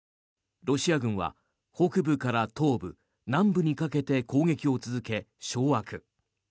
ロシア軍は北部から東部南部にかけて攻撃を続け掌握。